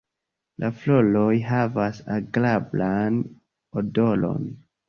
La floroj havas agrablan odoron.